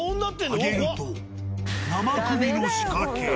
上げると生首の仕掛け。